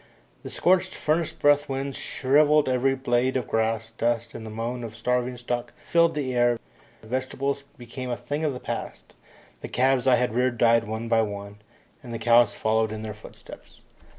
The scorching furnace breath winds shrivelled every blade of grass, dust and the moan of starving stock filled the air, vegetables became a thing of the past. The calves I had reared died one by one, and the cows followed in their footsteps.